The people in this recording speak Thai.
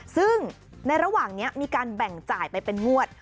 ซึ่งในระหว่างนี้มีการแบ่งจ่ายไปเป็นงวด